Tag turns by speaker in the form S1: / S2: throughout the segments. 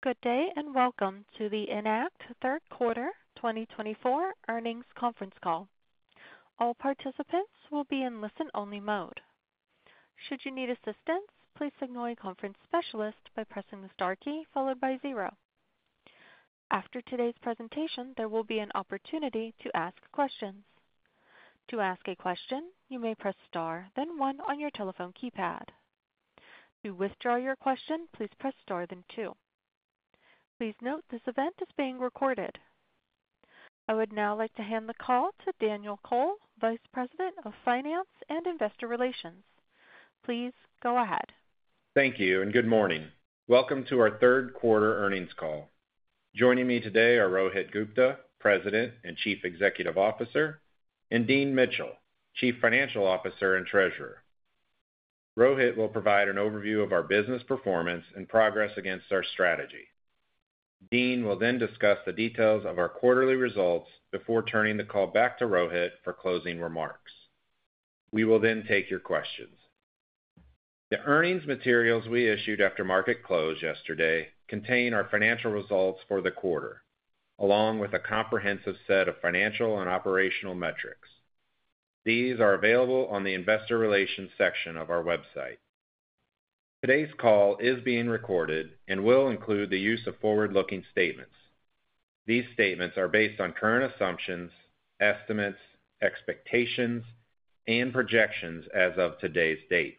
S1: Good day and welcome to the Enact Third Quarter 2024 earnings conference call. All participants will be in listen-only mode. Should you need assistance, please signal a conference specialist by pressing the star key followed by zero. After today's presentation, there will be an opportunity to ask questions. To ask a question, you may press star, then one on your telephone keypad. To withdraw your question, please press star, then two. Please note this event is being recorded. I would now like to hand the call to Daniel Kohl, Vice President of Finance and Investor Relations. Please go ahead.
S2: Thank you and good morning. Welcome to our third quarter earnings call. Joining me today are Rohit Gupta, President and Chief Executive Officer, and Dean Mitchell, Chief Financial Officer and Treasurer. Rohit will provide an overview of our business performance and progress against our strategy. Dean will then discuss the details of our quarterly results before turning the call back to Rohit for closing remarks. We will then take your questions. The earnings materials we issued after market close yesterday contain our financial results for the quarter, along with a comprehensive set of financial and operational metrics. These are available on the Investor Relations section of our website. Today's call is being recorded and will include the use of forward-looking statements. These statements are based on current assumptions, estimates, expectations, and projections as of today's date.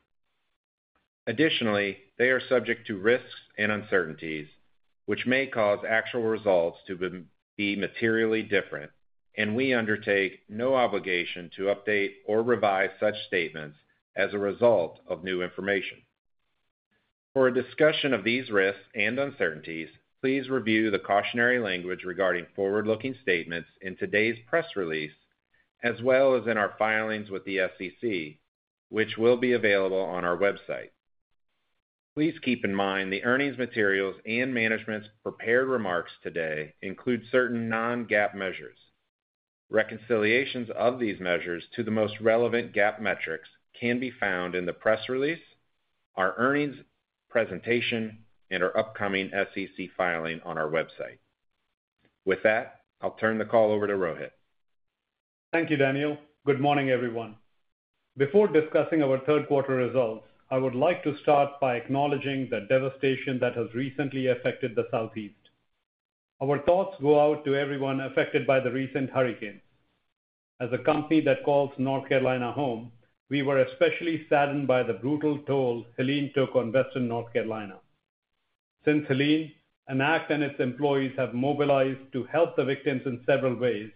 S2: Additionally, they are subject to risks and uncertainties, which may cause actual results to be materially different, and we undertake no obligation to update or revise such statements as a result of new information. For a discussion of these risks and uncertainties, please review the cautionary language regarding forward-looking statements in today's press release, as well as in our filings with the SEC, which will be available on our website. Please keep in mind the earnings materials and management's prepared remarks today include certain non-GAAP measures. Reconciliations of these measures to the most relevant GAAP metrics can be found in the press release, our earnings presentation, and our upcoming SEC filing on our website. With that, I'll turn the call over to Rohit.
S3: Thank you, Daniel. Good morning, everyone. Before discussing our third quarter results, I would like to start by acknowledging the devastation that has recently affected the Southeast. Our thoughts go out to everyone affected by the recent hurricanes. As a company that calls North Carolina home, we were especially saddened by the brutal toll Helene took on Western North Carolina. Since Helene, Enact and its employees have mobilized to help the victims in several ways,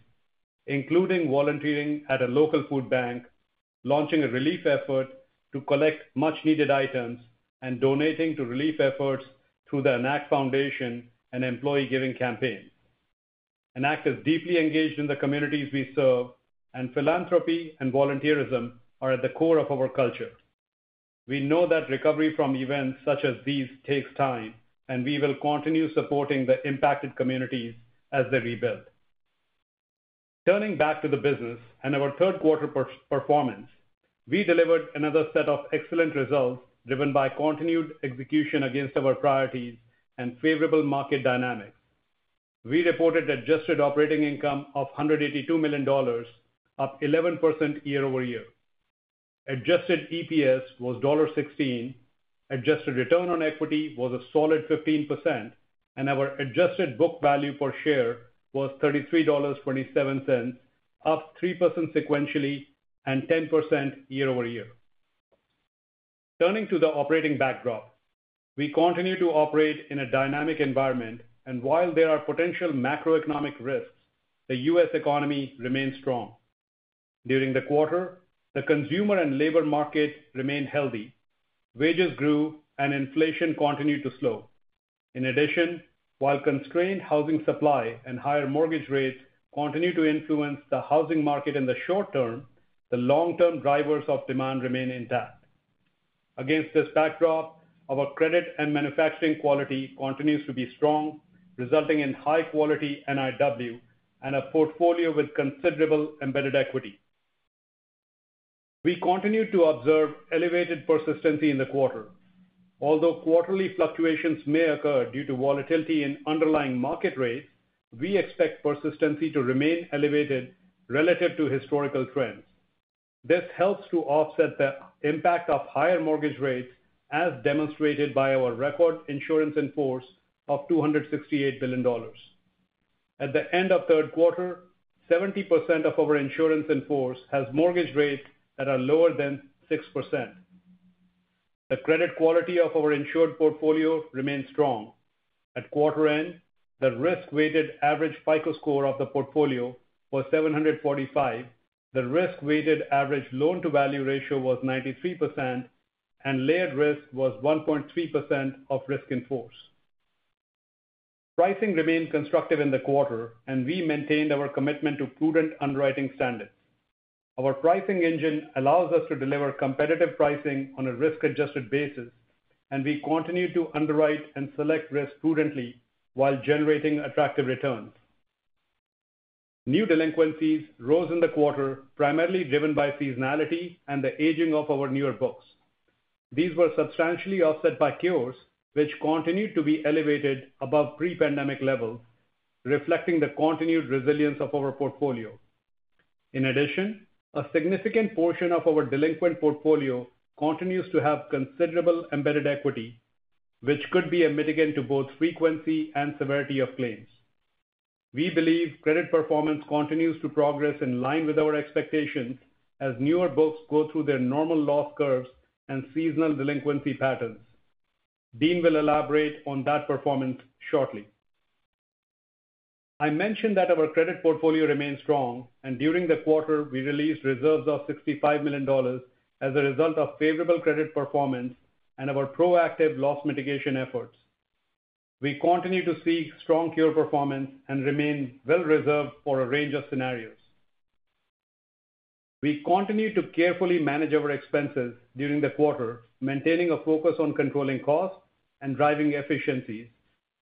S3: including volunteering at a local food bank, launching a relief effort to collect much-needed items, and donating to relief efforts through the Enact Foundation and employee giving campaigns. Enact is deeply engaged in the communities we serve, and philanthropy and volunteerism are at the core of our culture. We know that recovery from events such as these takes time, and we will continue supporting the impacted communities as they rebuild. Turning back to the business and our third quarter performance, we delivered another set of excellent results driven by continued execution against our priorities and favorable market dynamics. We reported adjusted operating income of $182 million, up 11% year over year. Adjusted EPS was $1.16, adjusted return on equity was a solid 15%, and our adjusted book value per share was $33.27, up 3% sequentially and 10% year over year. Turning to the operating backdrop, we continue to operate in a dynamic environment, and while there are potential macroeconomic risks, the U.S. economy remains strong. During the quarter, the consumer and labor market remained healthy, wages grew, and inflation continued to slow. In addition, while constrained housing supply and higher mortgage rates continue to influence the housing market in the short term, the long-term drivers of demand remain intact. Against this backdrop, our credit and underwriting quality continues to be strong, resulting in high-quality NIW and a portfolio with considerable embedded equity. We continue to observe elevated persistency in the quarter. Although quarterly fluctuations may occur due to volatility in underlying market rates, we expect persistency to remain elevated relative to historical trends. This helps to offset the impact of higher mortgage rates, as demonstrated by our record insurance in-force of $268 billion. At the end of third quarter, 70% of our insurance in-force has mortgage rates that are lower than 6%. The credit quality of our insured portfolio remains strong. At quarter end, the risk-weighted average FICO score of the portfolio was 745, the risk-weighted average loan-to-value ratio was 93%, and layered risk was 1.3% of risk in-force. Pricing remained constructive in the quarter, and we maintained our commitment to prudent underwriting standards. Our pricing engine allows us to deliver competitive pricing on a risk-adjusted basis, and we continue to underwrite and select risk prudently while generating attractive returns. New delinquencies rose in the quarter, primarily driven by seasonality and the aging of our newer books. These were substantially offset by cures, which continued to be elevated above pre-pandemic levels, reflecting the continued resilience of our portfolio. In addition, a significant portion of our delinquent portfolio continues to have considerable embedded equity, which could be a mitigant to both frequency and severity of claims. We believe credit performance continues to progress in line with our expectations as newer books go through their normal loss curves and seasonal delinquency patterns. Dean will elaborate on that performance shortly. I mentioned that our credit portfolio remains strong, and during the quarter, we released reserves of $65 million as a result of favorable credit performance and our proactive loss mitigation efforts. We continue to see strong CORE performance and remain well-reserved for a range of scenarios. We continue to carefully manage our expenses during the quarter, maintaining a focus on controlling costs and driving efficiencies,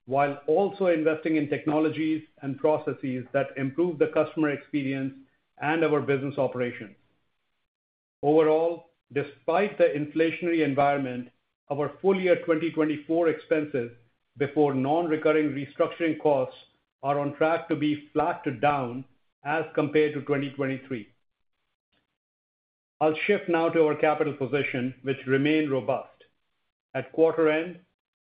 S3: while also investing in technologies and processes that improve the customer experience and our business operations. Overall, despite the inflationary environment, our full year 2024 expenses before non-recurring restructuring costs are on track to be flat to down as compared to 2023. I'll shift now to our capital position, which remained robust. At quarter end,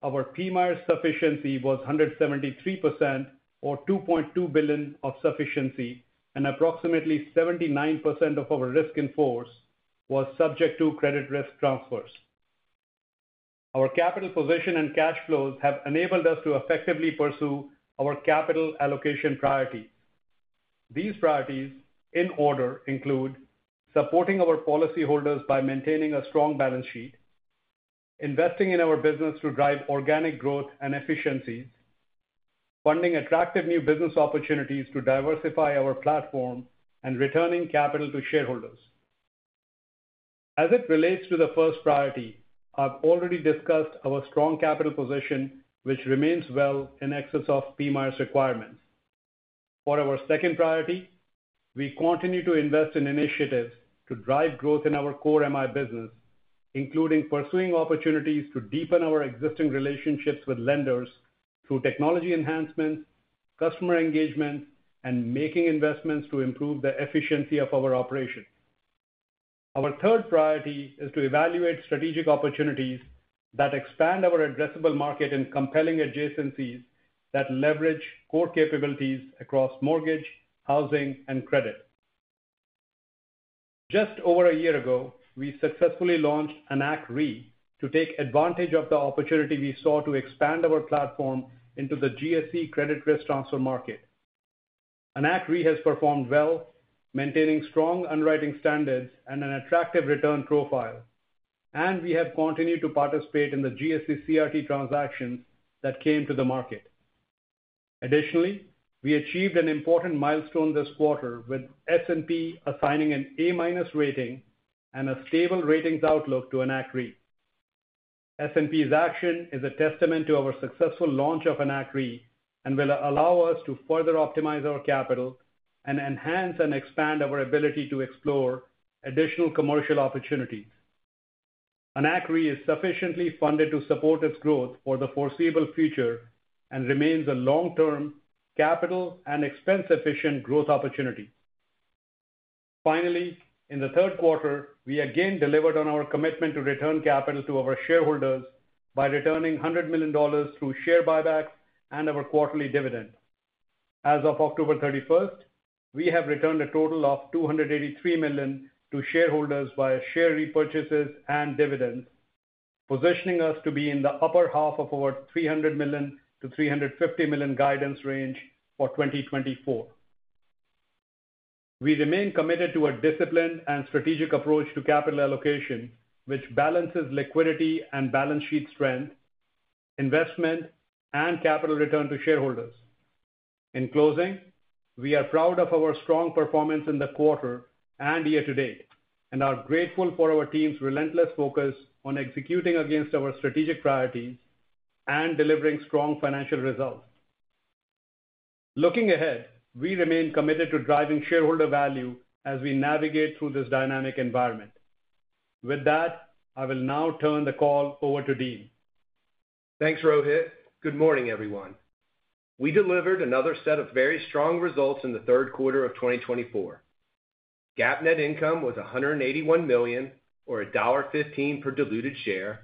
S3: our PMIERs sufficiency was 173% or $2.2 billion of sufficiency, and approximately 79% of our risk in force was subject to credit risk transfers. Our capital position and cash flows have enabled us to effectively pursue our capital allocation priorities. These priorities, in order, include supporting our policyholders by maintaining a strong balance sheet, investing in our business to drive organic growth and efficiencies, funding attractive new business opportunities to diversify our platform, and returning capital to shareholders. As it relates to the first priority, I've already discussed our strong capital position, which remains well in excess of PMIERs requirements. For our second priority, we continue to invest in initiatives to drive growth in our core MI business, including pursuing opportunities to deepen our existing relationships with lenders through technology enhancements, customer engagement, and making investments to improve the efficiency of our operation. Our third priority is to evaluate strategic opportunities that expand our addressable market and compelling adjacencies that leverage core capabilities across mortgage, housing, and credit. Just over a year ago, we successfully launched Enact Re to take advantage of the opportunity we saw to expand our platform into the GSE credit risk transfer market. Enact Re has performed well, maintaining strong underwriting standards and an attractive return profile, and we have continued to participate in the GSE CRT transactions that came to the market. Additionally, we achieved an important milestone this quarter with S&P assigning an A- rating and a stable ratings outlook to Enact Re. S&P's action is a testament to our successful launch of Enact Re and will allow us to further optimize our capital and enhance and expand our ability to explore additional commercial opportunities. Enact Re is sufficiently funded to support its growth for the foreseeable future and remains a long-term capital and expense-efficient growth opportunity. Finally, in the third quarter, we again delivered on our commitment to return capital to our shareholders by returning $100 million through share buybacks and our quarterly dividend. As of October 31st, we have returned a total of $283 million to shareholders via share repurchases and dividends, positioning us to be in the upper half of our $300 million-$350 million guidance range for 2024. We remain committed to a disciplined and strategic approach to capital allocation, which balances liquidity and balance sheet strength, investment, and capital return to shareholders. In closing, we are proud of our strong performance in the quarter and year to date, and are grateful for our team's relentless focus on executing against our strategic priorities and delivering strong financial results. Looking ahead, we remain committed to driving shareholder value as we navigate through this dynamic environment. With that, I will now turn the call over to Dean.
S4: Thanks, Rohit. Good morning, everyone. We delivered another set of very strong results in the third quarter of 2024. GAAP net income was $181 million, or $1.15 per diluted share,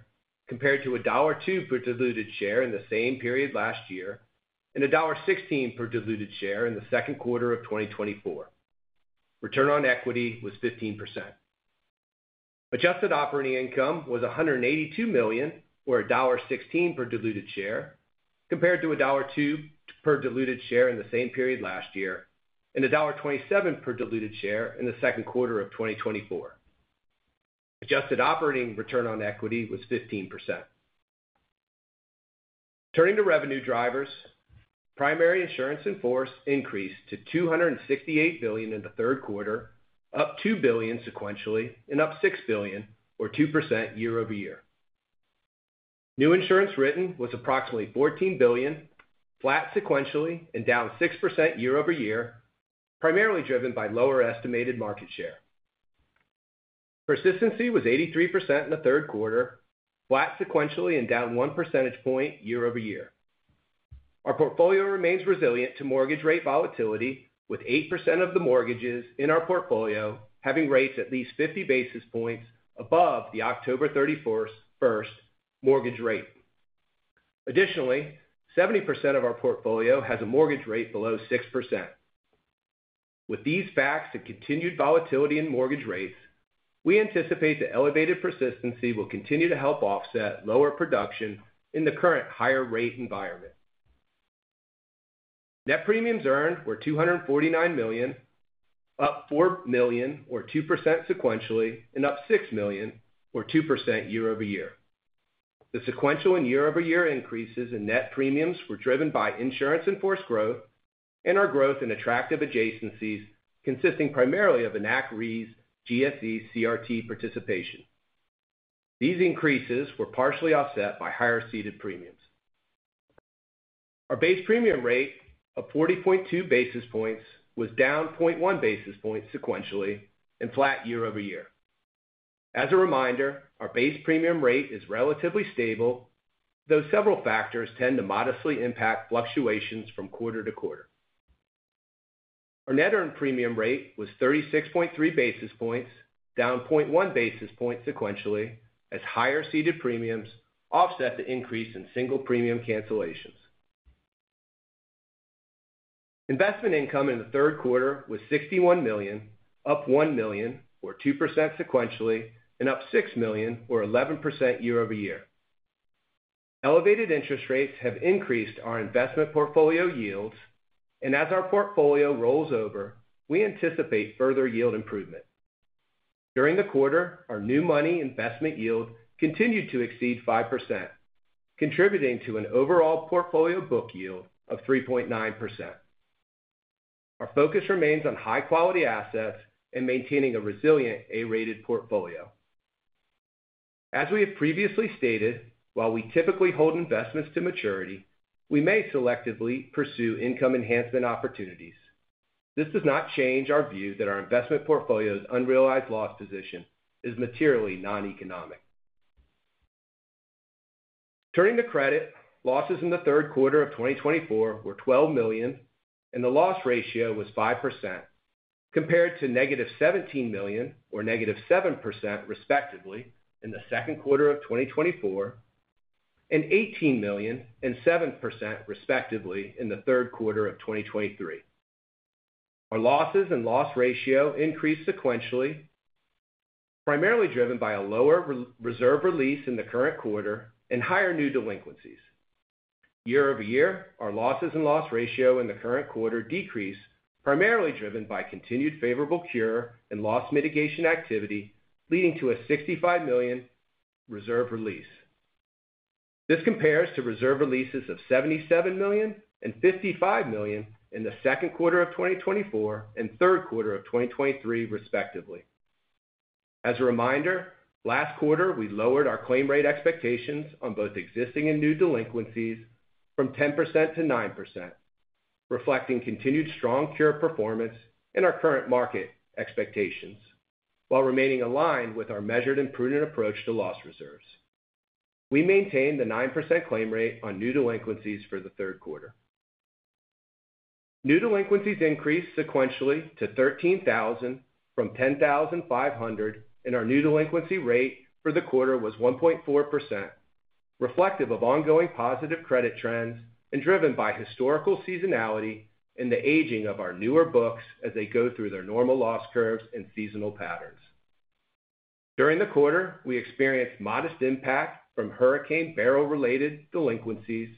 S4: compared to $1.02 per diluted share in the same period last year, and $1.16 per diluted share in the second quarter of 2024. Return on equity was 15%. Adjusted operating income was $182 million, or $1.16 per diluted share, compared to $1.02 per diluted share in the same period last year, and $1.27 per diluted share in the second quarter of 2024. Adjusted operating return on equity was 15%. Turning to revenue drivers, primary insurance in-force increased to $268 billion in the third quarter, up $2 billion sequentially, and up $6 billion, or 2% year over year. New insurance written was approximately $14 billion, flat sequentially, and down 6% year over year, primarily driven by lower estimated market share. Persistency was 83% in the third quarter, flat sequentially, and down 1 percentage point year over year. Our portfolio remains resilient to mortgage rate volatility, with 8% of the mortgages in our portfolio having rates at least 50 basis points above the October 31st mortgage rate. Additionally, 70% of our portfolio has a mortgage rate below 6%. With these facts and continued volatility in mortgage rates, we anticipate the elevated persistency will continue to help offset lower production in the current higher rate environment. Net premiums earned were $249 million, up $4 million, or 2% sequentially, and up $6 million, or 2% year over year. The sequential and year-over-year increases in net premiums were driven by insurance in-force growth and our growth in attractive adjacencies consisting primarily of Enact Re's GSE CRT participation. These increases were partially offset by higher ceded premiums. Our base premium rate of 40.2 basis points was down 0.1 basis points sequentially and flat year over year. As a reminder, our base premium rate is relatively stable, though several factors tend to modestly impact fluctuations from quarter to quarter. Our net earned premium rate was 36.3 basis points, down 0.1 basis points sequentially, as higher ceded premiums offset the increase in single premium cancellations. Investment income in the third quarter was $61 million, up $1 million, or 2% sequentially, and up $6 million, or 11% year over year. Elevated interest rates have increased our investment portfolio yields, and as our portfolio rolls over, we anticipate further yield improvement. During the quarter, our new money investment yield continued to exceed 5%, contributing to an overall portfolio book yield of 3.9%. Our focus remains on high-quality assets and maintaining a resilient A-rated portfolio. As we have previously stated, while we typically hold investments to maturity, we may selectively pursue income enhancement opportunities. This does not change our view that our investment portfolio's unrealized loss position is materially non-economic. Turning to credit, losses in the third quarter of 2024 were $12 million, and the loss ratio was 5%, compared to negative $17 million, or negative 7%, respectively, in the second quarter of 2024, and $18 million, and 7%, respectively, in the third quarter of 2023. Our losses and loss ratio increased sequentially, primarily driven by a lower reserve release in the current quarter and higher new delinquencies. Year over year, our losses and loss ratio in the current quarter decreased, primarily driven by continued favorable cure and loss mitigation activity, leading to a $65 million reserve release. This compares to reserve releases of $77 million and $55 million in the second quarter of 2024 and third quarter of 2023, respectively. As a reminder, last quarter, we lowered our claim rate expectations on both existing and new delinquencies from 10% to 9%, reflecting continued strong cure performance and our current market expectations, while remaining aligned with our measured and prudent approach to loss reserves. We maintained the 9% claim rate on new delinquencies for the third quarter. New delinquencies increased sequentially to 13,000 from 10,500, and our new delinquency rate for the quarter was 1.4%, reflective of ongoing positive credit trends and driven by historical seasonality and the aging of our newer books as they go through their normal loss curves and seasonal patterns. During the quarter, we experienced modest impact from Hurricane Beryl-related delinquencies,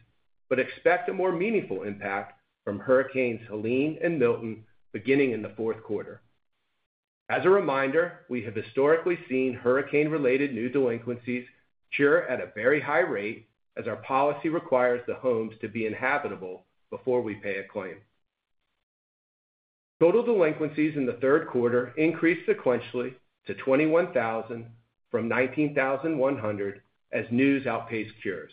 S4: but expect a more meaningful impact from Hurricanes Helene and Milton beginning in the fourth quarter. As a reminder, we have historically seen hurricane-related new delinquencies cure at a very high rate as our policy requires the homes to be inhabitable before we pay a claim. Total delinquencies in the third quarter increased sequentially to 21,000 from 19,100 as new delinquencies outpaced cures.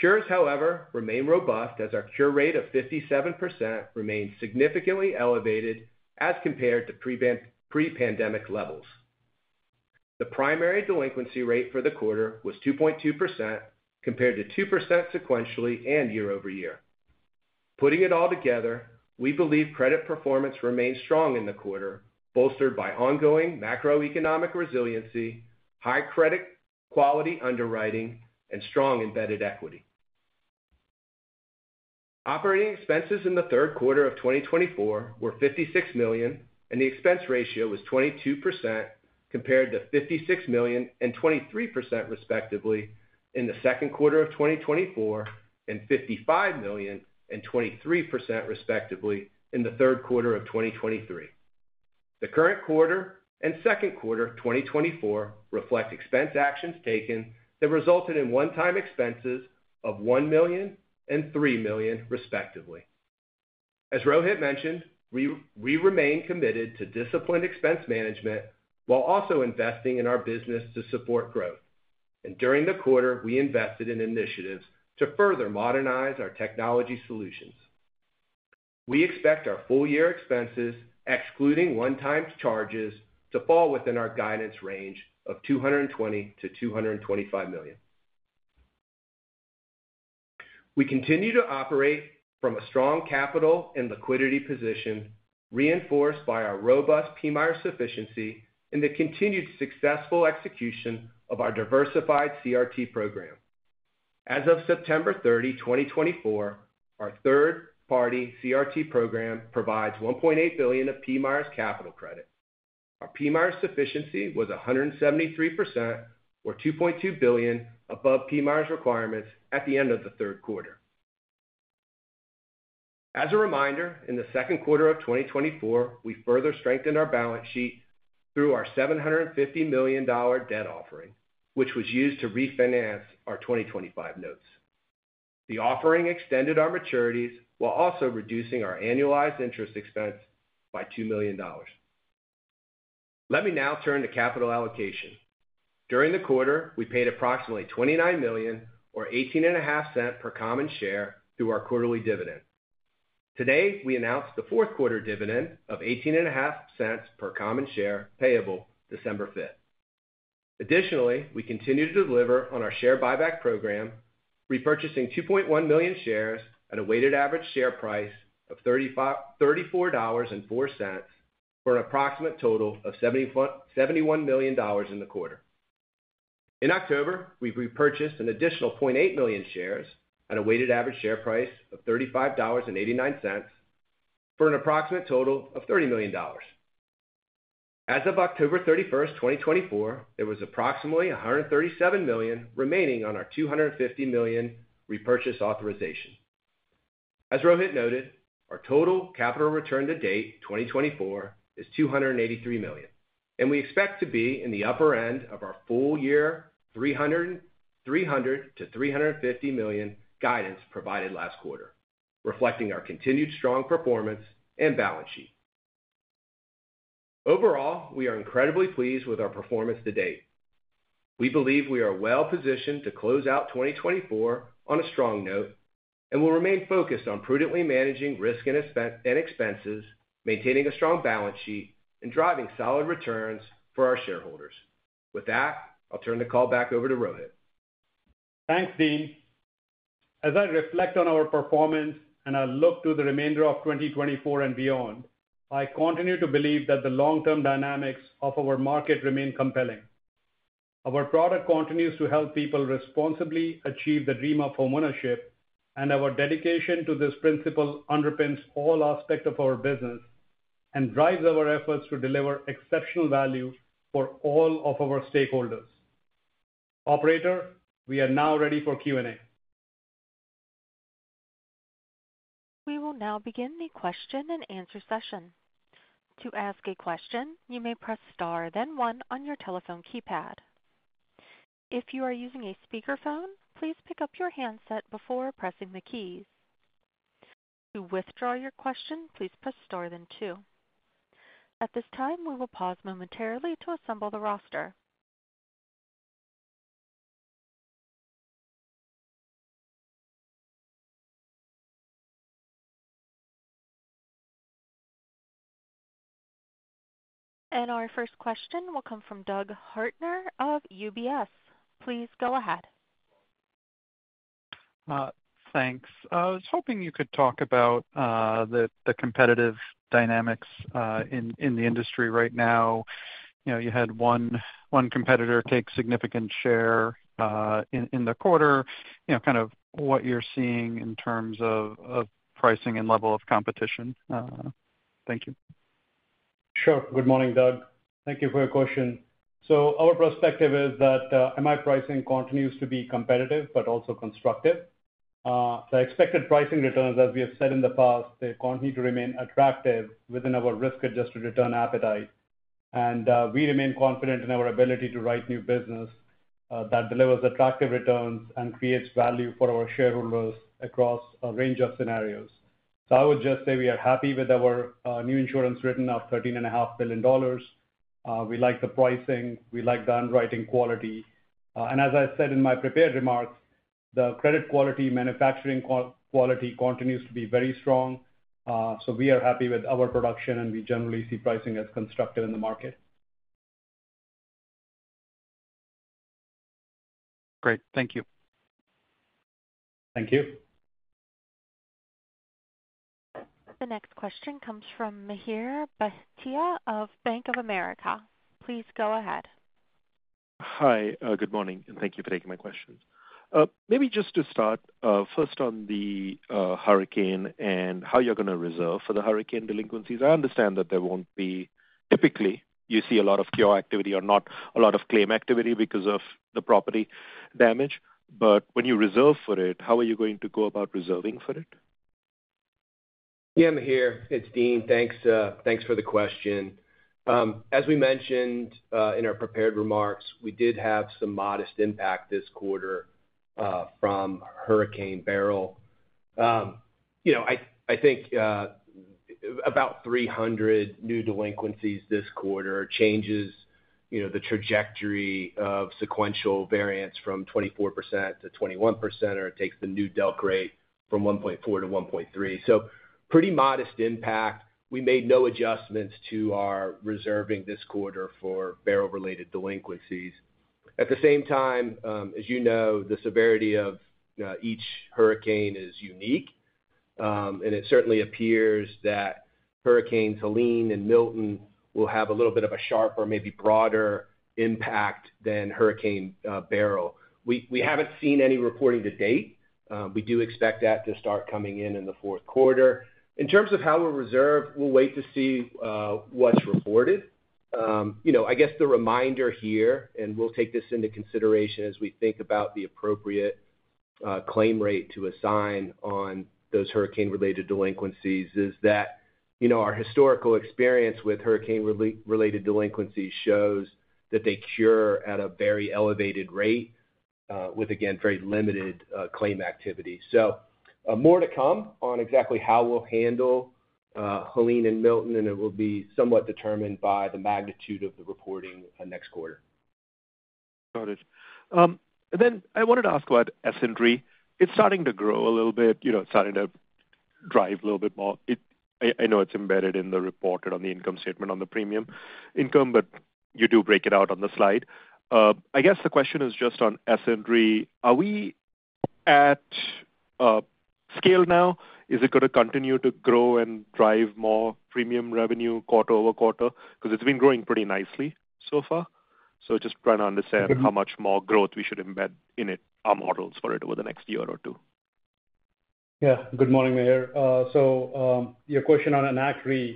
S4: Cures, however, remain robust as our cure rate of 57% remains significantly elevated as compared to pre-pandemic levels. The primary delinquency rate for the quarter was 2.2%, compared to 2% sequentially and year over year. Putting it all together, we believe credit performance remains strong in the quarter, bolstered by ongoing macroeconomic resiliency, high credit quality underwriting, and strong embedded equity. Operating expenses in the third quarter of 2024 were $56 million, and the expense ratio was 22%, compared to $56 million and 23%, respectively, in the second quarter of 2024 and $55 million and 23%, respectively, in the third quarter of 2023. The current quarter and second quarter of 2024 reflect expense actions taken that resulted in one-time expenses of $1 million and $3 million, respectively. As Rohit mentioned, we remain committed to disciplined expense management while also investing in our business to support growth, and during the quarter, we invested in initiatives to further modernize our technology solutions. We expect our full-year expenses, excluding one-time charges, to fall within our guidance range of $220 million to $225 million. We continue to operate from a strong capital and liquidity position, reinforced by our robust PMIERs sufficiency and the continued successful execution of our diversified CRT program. As of September 30, 2024, our third-party CRT program provides $1.8 billion of PMIERs capital credit. Our PMIERs sufficiency was 173%, or $2.2 billion, above PMIERs requirements at the end of the third quarter. As a reminder, in the second quarter of 2024, we further strengthened our balance sheet through our $750 million debt offering, which was used to refinance our 2025 notes. The offering extended our maturities while also reducing our annualized interest expense by $2 million. Let me now turn to capital allocation. During the quarter, we paid approximately $29 million, or $0.185 per common share, through our quarterly dividend. Today, we announced the fourth quarter dividend of $0.185 per common share payable December 5th. Additionally, we continue to deliver on our share buyback program, repurchasing 2.1 million shares at a weighted average share price of $34.04 for an approximate total of $71 million in the quarter. In October, we repurchased an additional 0.8 million shares at a weighted average share price of $35.89 for an approximate total of $30 million. As of October 31, 2024, there was approximately $137 million remaining on our $250 million repurchase authorization. As Rohit noted, our total capital return to date 2024 is $283 million, and we expect to be in the upper end of our full-year $300 million-$350 million guidance provided last quarter, reflecting our continued strong performance and balance sheet. Overall, we are incredibly pleased with our performance to date. We believe we are well-positioned to close out 2024 on a strong note and will remain focused on prudently managing risk and expenses, maintaining a strong balance sheet, and driving solid returns for our shareholders. With that, I'll turn the call back over to Rohit.
S3: Thanks, Dean. As I reflect on our performance and I look to the remainder of 2024 and beyond, I continue to believe that the long-term dynamics of our market remain compelling. Our product continues to help people responsibly achieve the dream of homeownership, and our dedication to this principle underpins all aspects of our business and drives our efforts to deliver exceptional value for all of our stakeholders. Operator, we are now ready for Q&A.
S1: We will now begin the question and answer session. To ask a question, you may press star, then one on your telephone keypad. If you are using a speakerphone, please pick up your handset before pressing the keys. To withdraw your question, please press star, then two. At this time, we will pause momentarily to assemble the roster, and our first question will come from Doug Harter of UBS. Please go ahead.
S5: Thanks. I was hoping you could talk about the competitive dynamics in the industry right now. You had one competitor take significant share in the quarter. Kind of what you're seeing in terms of pricing and level of competition? Thank you.
S3: Sure. Good morning, Doug. Thank you for your question. So our perspective is that MI pricing continues to be competitive but also constructive. The expected pricing returns, as we have said in the past, they continue to remain attractive within our risk-adjusted return appetite, and we remain confident in our ability to write new business that delivers attractive returns and creates value for our shareholders across a range of scenarios. So I would just say we are happy with our new insurance written of $13.5 billion. We like the pricing. We like the underwriting quality. And as I said in my prepared remarks, the credit quality, manufacturing quality continues to be very strong, so we are happy with our production, and we generally see pricing as constructive in the market.
S5: Great. Thank you.
S3: Thank you.
S1: The next question comes from Mihir Bhatia of Bank of America. Please go ahead.
S6: Hi, good morning, and thank you for taking my questions. Maybe just to start, first on the hurricane and how you're going to reserve for the hurricane delinquencies. I understand that there won't be typically, you see a lot of cure activity or not a lot of claim activity because of the property damage, but when you reserve for it, how are you going to go about reserving for it?
S4: Yeah, Mihir, it's Dean. Thanks for the question. As we mentioned in our prepared remarks, we did have some modest impact this quarter from Hurricane Beryl. I think about 300 new delinquencies this quarter changes the trajectory of sequential variance from 24% to 21%, or it takes the new delq rate from 1.4 to 1.3, so pretty modest impact. We made no adjustments to our reserving this quarter for Beryl-related delinquencies. At the same time, as you know, the severity of each hurricane is unique, and it certainly appears that Hurricanes Helene and Milton will have a little bit of a sharper, maybe broader impact than Hurricane Beryl. We haven't seen any reporting to date. We do expect that to start coming in in the fourth quarter. In terms of how we'll reserve, we'll wait to see what's reported. I guess the reminder here, and we'll take this into consideration as we think about the appropriate claim rate to assign on those hurricane-related delinquencies, is that our historical experience with hurricane-related delinquencies shows that they cure at a very elevated rate with, again, very limited claim activity. So more to come on exactly how we'll handle Helene and Milton, and it will be somewhat determined by the magnitude of the reporting next quarter.
S6: Got it. Then I wanted to ask about S&P. It's starting to grow a little bit. It's starting to drive a little bit more. I know it's embedded in the report and on the income statement on the premium income, but you do break it out on the slide. I guess the question is just on S&P. Are we at scale now? Is it going to continue to grow and drive more premium revenue quarter over quarter? Because it's been growing pretty nicely so far. So just trying to understand how much more growth we should embed in our models for it over the next year or two.
S3: Yeah. Good morning, Mihir. So your question on Enact Re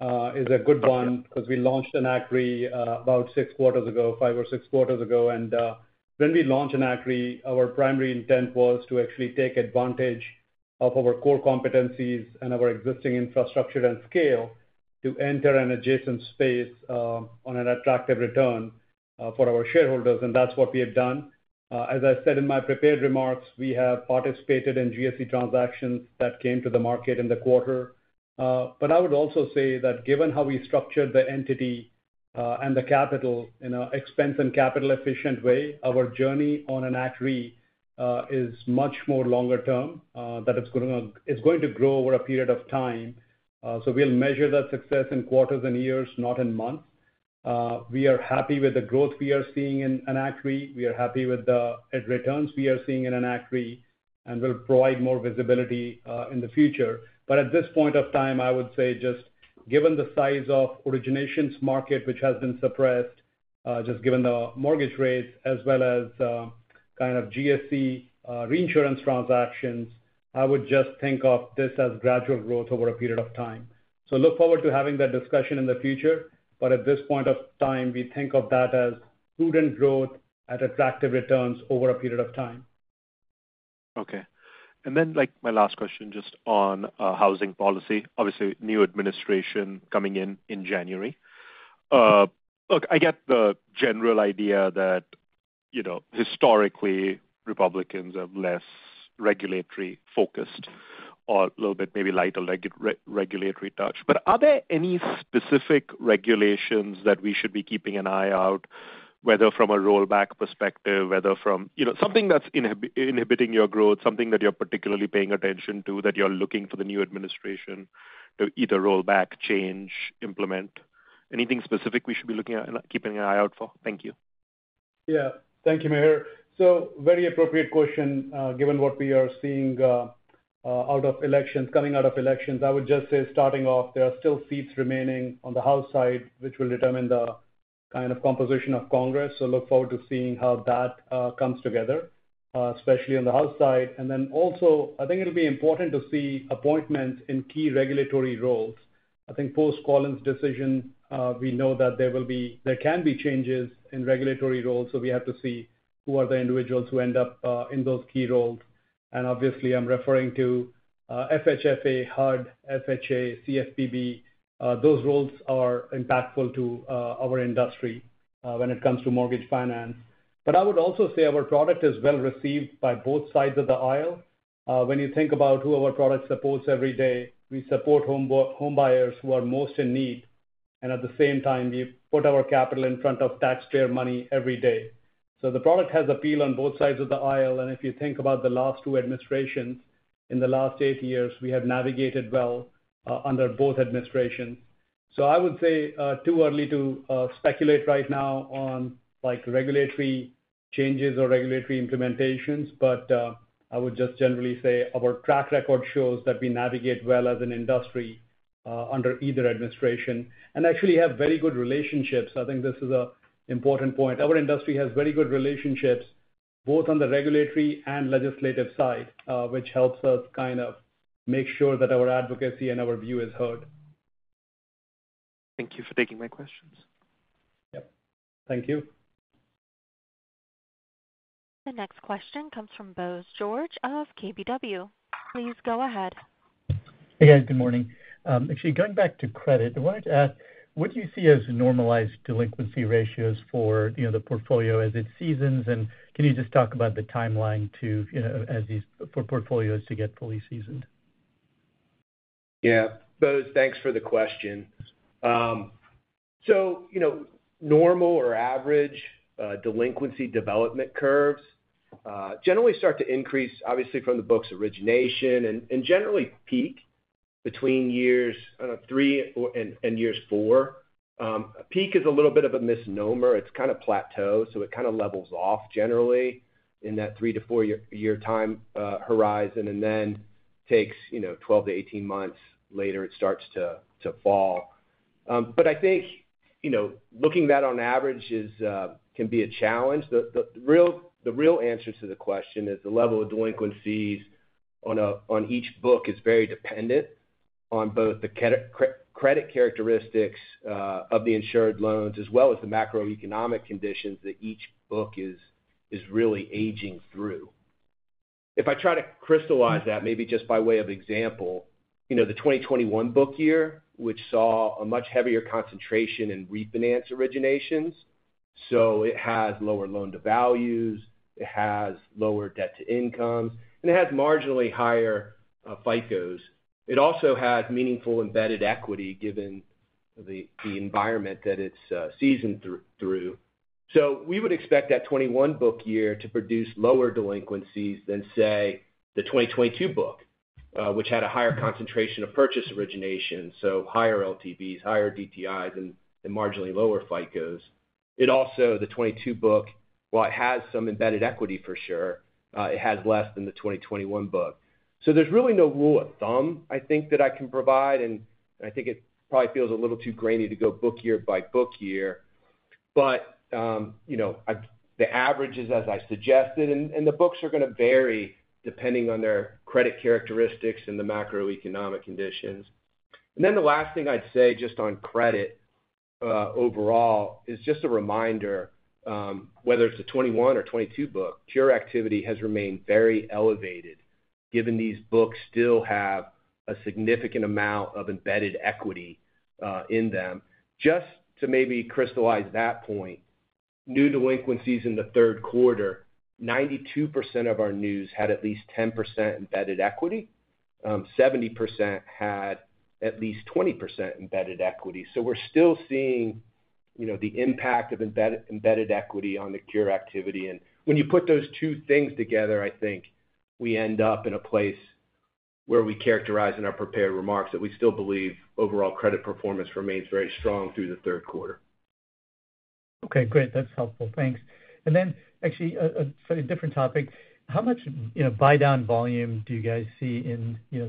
S3: is a good one because we launched Enact Re about six quarters ago, five or six quarters ago, and when we launched Enact Re, our primary intent was to actually take advantage of our core competencies and our existing infrastructure and scale to enter an adjacent space on an attractive return for our shareholders, and that's what we have done. As I said in my prepared remarks, we have participated in GSE transactions that came to the market in the quarter, but I would also say that given how we structured the entity and the capital in an expense and capital-efficient way, our journey on Enact Re is much more longer term, that it's going to grow over a period of time, so we'll measure that success in quarters and years, not in months. We are happy with the growth we are seeing in Enact Re. We are happy with the returns we are seeing in Enact Re, and we'll provide more visibility in the future. But at this point of time, I would say just given the size of originations market, which has been suppressed, just given the mortgage rates, as well as kind of GSE reinsurance transactions, I would just think of this as gradual growth over a period of time. So look forward to having that discussion in the future, but at this point of time, we think of that as prudent growth at attractive returns over a period of time.
S6: Okay. And then my last question just on housing policy. Obviously, new administration coming in in January. Look, I get the general idea that historically, Republicans are less regulatory-focused or a little bit maybe lighter regulatory touch. But are there any specific regulations that we should be keeping an eye out, whether from a rollback perspective, whether from something that's inhibiting your growth, something that you're particularly paying attention to that you're looking for the new administration to either roll back, change, implement? Anything specific we should be looking at and keeping an eye out for? Thank you.
S3: Yeah. Thank you, Mihir. So very appropriate question. Given what we are seeing out of elections, coming out of elections, I would just say starting off, there are still seats remaining on the House side, which will determine the kind of composition of Congress. So look forward to seeing how that comes together, especially on the House side. And then also, I think it'll be important to see appointments in key regulatory roles. I think, post Collins' decision, we know that there can be changes in regulatory roles, so we have to see who are the individuals who end up in those key roles. And obviously, I'm referring to FHFA, HUD, FHA, CFPB. Those roles are impactful to our industry when it comes to mortgage finance. But I would also say our product is well received by both sides of the aisle. When you think about who our product supports every day, we support homebuyers who are most in need, and at the same time, we put our capital in front of taxpayer money every day, so the product has appeal on both sides of the aisle, and if you think about the last two administrations in the last eight years, we have navigated well under both administrations, so I would say too early to speculate right now on regulatory changes or regulatory implementations, but I would just generally say our track record shows that we navigate well as an industry under either administration and actually have very good relationships. I think this is an important point. Our industry has very good relationships both on the regulatory and legislative side, which helps us kind of make sure that our advocacy and our view is heard.
S6: Thank you for taking my questions.
S3: Yep. Thank you.
S1: The next question comes from Bose George of KBW. Please go ahead.
S7: Hey, guys. Good morning. Actually, going back to credit, I wanted to ask, what do you see as normalized delinquency ratios for the portfolio as it seasons, and can you just talk about the timeline for portfolios to get fully seasoned?
S4: Yeah. Bose, thanks for the question. So normal or average delinquency development curves generally start to increase, obviously, from the book's origination and generally peak between years, I don't know, three and years four. Peak is a little bit of a misnomer. It's kind of plateau, so it kind of levels off generally in that three to four-year time horizon and then takes 12 to 18 months later, it starts to fall. But I think looking at that on average can be a challenge. The real answer to the question is the level of delinquencies on each book is very dependent on both the credit characteristics of the insured loans as well as the macroeconomic conditions that each book is really aging through. If I try to crystallize that, maybe just by way of example, the 2021 book year, which saw a much heavier concentration in refinance originations. So it has lower loan-to-values. It has lower debt-to-incomes. And it has marginally higher FICOs. It also has meaningful embedded equity given the environment that it's seasoned through. So we would expect that 2021 book year to produce lower delinquencies than, say, the 2022 book, which had a higher concentration of purchase origination, so higher LTVs, higher DTIs, and marginally lower FICOs. It also, the 2022 book, while it has some embedded equity for sure, it has less than the 2021 book. So there's really no rule of thumb, I think, that I can provide. And I think it probably feels a little too grainy to go book year by book year. But the average is as I suggested, and the books are going to vary depending on their credit characteristics and the macroeconomic conditions. Then the last thing I'd say just on credit overall is just a reminder, whether it's a 2021 or 2022 book, cure activity has remained very elevated given these books still have a significant amount of embedded equity in them. Just to maybe crystallize that point, new delinquencies in the third quarter, 92% of our new delinquencies had at least 10% embedded equity. 70% had at least 20% embedded equity. So we're still seeing the impact of embedded equity on the cure activity. And when you put those two things together, I think we end up in a place where we characterize in our prepared remarks that we still believe overall credit performance remains very strong through the third quarter.
S7: Okay. Great. That's helpful. Thanks. And then actually, a slightly different topic. How much buy-down volume do you guys see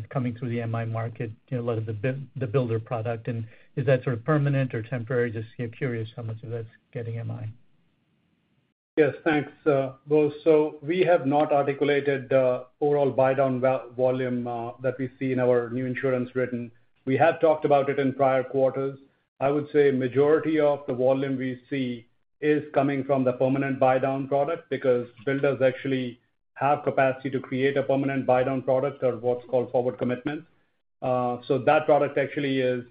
S7: coming through the MI market, a lot of the builder product? And is that sort of permanent or temporary? Just curious how much of that's getting MI.
S3: Yes. Thanks, Bose. So we have not articulated the overall buy-down volume that we see in our new insurance written. We have talked about it in prior quarters. I would say majority of the volume we see is coming from the permanent buy-down product because builders actually have capacity to create a permanent buy-down product or what's called forward commitments. So that product actually is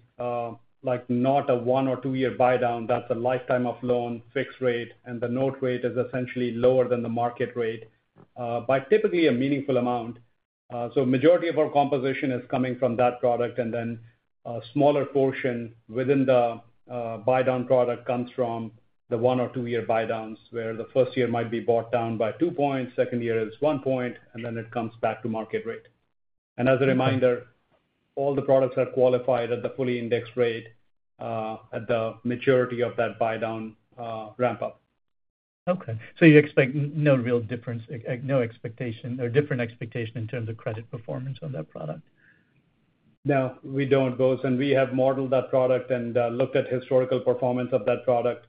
S3: not a one or two-year buy-down. That's a lifetime of loan fixed rate, and the note rate is essentially lower than the market rate by typically a meaningful amount. So majority of our composition is coming from that product, and then a smaller portion within the buy-down product comes from the one or two-year buy-downs where the first year might be bought down by two points, second year is one point, and then it comes back to market rate. As a reminder, all the products are qualified at the fully indexed rate at the maturity of that buy-down ramp-up.
S7: Okay, so you expect no real difference, no expectation or different expectation in terms of credit performance on that product?
S3: No, we don't, Bose. And we have modeled that product and looked at historical performance of that product.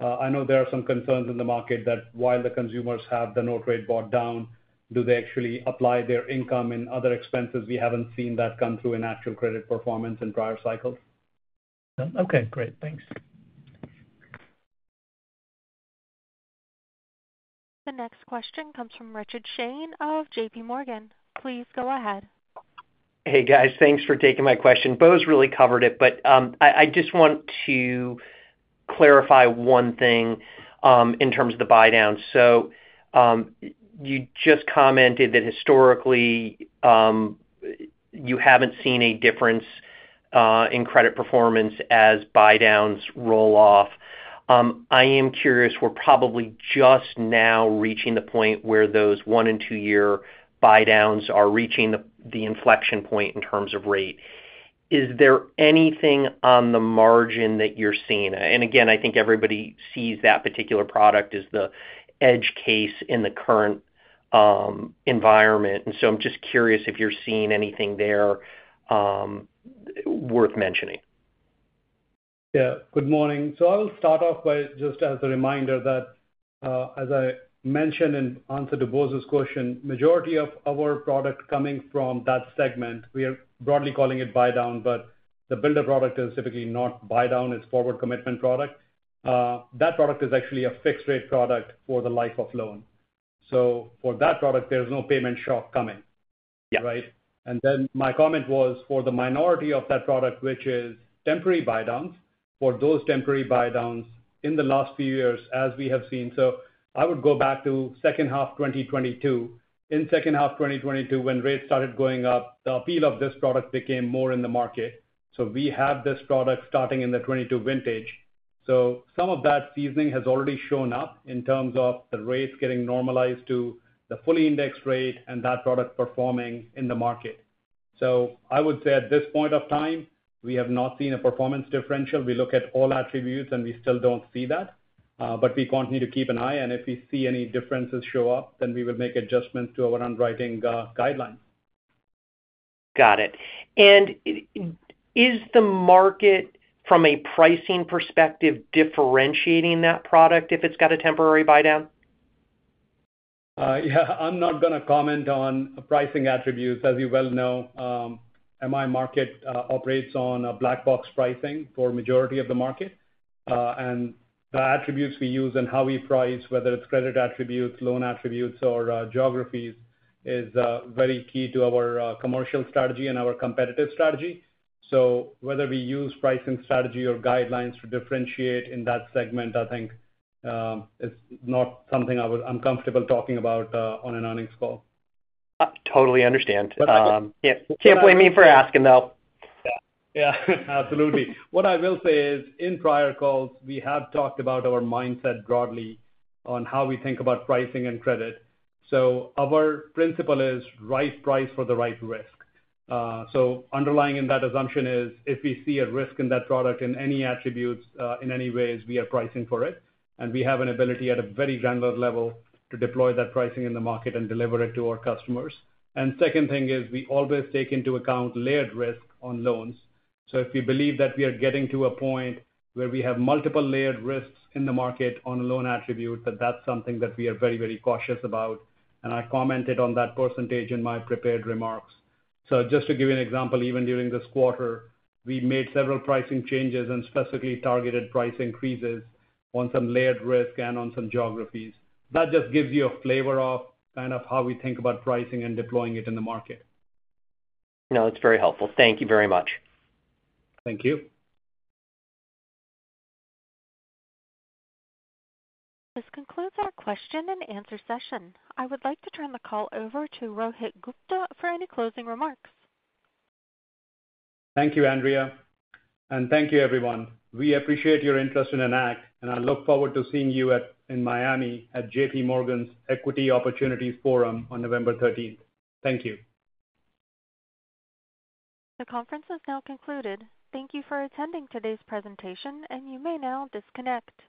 S3: I know there are some concerns in the market that while the consumers have the note rate bought down, do they actually apply their income in other expenses? We haven't seen that come through in actual credit performance in prior cycles.
S7: Okay. Okay. Great. Thanks.
S1: The next question comes from Richard Shane of JPMorgan. Please go ahead.
S8: Hey, guys. Thanks for taking my question. Bose really covered it, but I just want to clarify one thing in terms of the buy-down. So you just commented that historically, you haven't seen a difference in credit performance as buy-downs roll off. I am curious. We're probably just now reaching the point where those one- and two-year buy-downs are reaching the inflection point in terms of rate. Is there anything on the margin that you're seeing? And again, I think everybody sees that particular product as the edge case in the current environment. And so I'm just curious if you're seeing anything there worth mentioning. Yeah. Good morning. So I will start off by just as a reminder that, as I mentioned in answer to Bose's question, the majority of our product coming from that segment, we are broadly calling it buy-down, but the builder product is typically not buy-down. It's forward commitment product. That product is actually a fixed-rate product for the life of loan. So for that product, there is no payment shock coming, right? And then my comment was for the minority of that product, which is temporary buy-downs, for those temporary buy-downs in the last few years, as we have seen. So I would go back to second half 2022. In second half 2022, when rates started going up, the appeal of this product became more in the market. So we have this product starting in the 2022 vintage. So some of that seasoning has already shown up in terms of the rates getting normalized to the fully indexed rate and that product performing in the market. So I would say at this point of time, we have not seen a performance differential. We look at all attributes, and we still don't see that. But we continue to keep an eye. And if we see any differences show up, then we will make adjustments to our underwriting guidelines. Got it. And is the market, from a pricing perspective, differentiating that product if it's got a temporary buy-down?
S3: Yeah. I'm not going to comment on pricing attributes. As you well know, MI market operates on a black box pricing for the majority of the market. And the attributes we use and how we price, whether it's credit attributes, loan attributes, or geographies, is very key to our commercial strategy and our competitive strategy. So whether we use pricing strategy or guidelines to differentiate in that segment, I think it's not something I'm comfortable talking about on an earnings call.
S8: Totally understand. Can't blame me for asking, though.
S3: Yeah. Absolutely. What I will say is, in prior calls, we have talked about our mindset broadly on how we think about pricing and credit. So our principle is right price for the right risk. So underlying in that assumption is, if we see a risk in that product, in any attributes, in any ways, we are pricing for it. And we have an ability at a very granular level to deploy that pricing in the market and deliver it to our customers. And the second thing is, we always take into account layered risk on loans. So if we believe that we are getting to a point where we have multiple layered risks in the market on a loan attribute, that that's something that we are very, very cautious about. And I commented on that percentage in my prepared remarks. So just to give you an example, even during this quarter, we made several pricing changes and specifically targeted price increases on some layered risk and on some geographies. That just gives you a flavor of kind of how we think about pricing and deploying it in the market.
S8: No, that's very helpful. Thank you very much.
S3: Thank you.
S1: This concludes our question-and-answer session. I would like to turn the call over to Rohit Gupta for any closing remarks. Thank you, Andrea. And thank you, everyone. We appreciate your interest in Enact, and I look forward to seeing you in Miami at JPMorgan's Equity Opportunities Forum on November 13th. Thank you. The conference has now concluded. Thank you for attending today's presentation, and you may now disconnect.